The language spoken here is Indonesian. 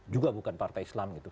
juga bukan partai islam gitu